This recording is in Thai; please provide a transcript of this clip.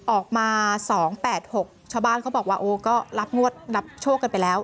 ออกมา๒๘๖ชาวบ้านเขาบอกว่าโอ้ก็รับงวดรับโชคกันไปแล้ว